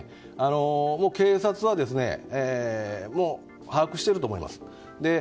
警察はもう把握してると思います。